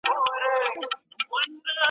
که درسي مواد برابر وي نو زده کړه نه کمزورېږي.